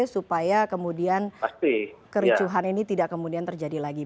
supaya kemudian kericuhan ini tidak kemudian terjadi lagi